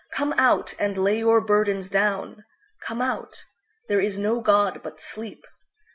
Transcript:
Come out, and lay your burdens down! Come out; there is no God but Sleep.